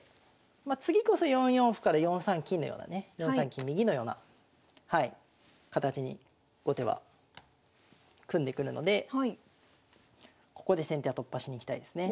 まあ次こそ４四歩から４三金のようなね４三金右のような形に後手は組んでくるのでここで先手は突破しにいきたいですね。